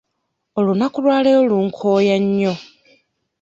Olunaku lwa leero lunkooya nnyo.